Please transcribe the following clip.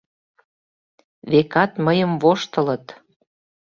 Векат, мыйым воштылыт.